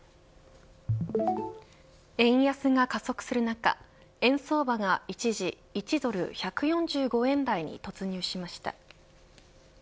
円安が加速する中円相場が一時１ドル１４５円台に突入しました。